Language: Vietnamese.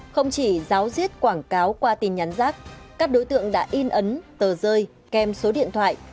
không chỉ giáo diết quảng cáo qua tin nhắn rác các đối tượng đã in ấn tờ rơi kèm số điện thoại